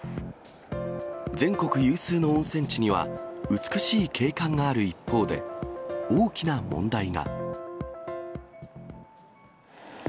全国有数の温泉地には、美しい景観がある一方で、大きな問題が。